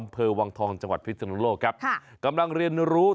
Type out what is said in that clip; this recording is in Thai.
ปวดท้องมาทันที